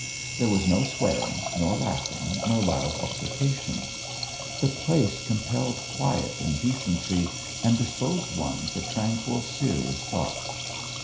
There was no swearing, nor laughing, nor loud altercations. The place compelled quiet and decency, and disposed one for tranquil, serious thoughts.